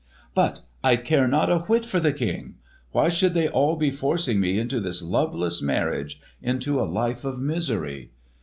"But I care not a whit for the King! Why should they all be forcing me into this loveless marriage—into a life of misery?"